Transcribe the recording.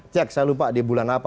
cek saya lupa di bulan apa